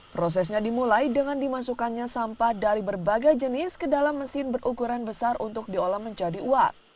prosesnya dimulai dengan dimasukkannya sampah dari berbagai jenis ke dalam mesin berukuran besar untuk diolah menjadi uap